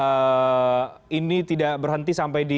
dan mendorong kemudian ini tidak berhenti sampai akhir